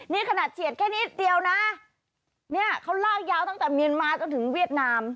นี่ขนาดเฉียดแค่นิดเดียวนะเนี่ยเขาลากยาวตั้งแต่เมียนมาจนถึงเวียดนาม